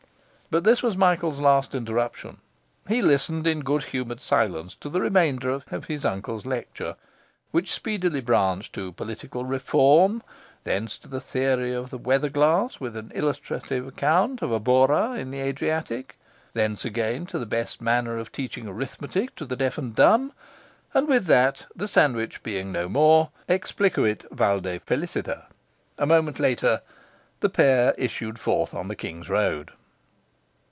But this was Michael's last interruption. He listened in good humoured silence to the remainder of his uncle's lecture, which speedily branched to political reform, thence to the theory of the weather glass, with an illustrative account of a bora in the Adriatic; thence again to the best manner of teaching arithmetic to the deaf and dumb; and with that, the sandwich being then no more, explicuit valde feliciter. A moment later the pair issued forth on the King's Road.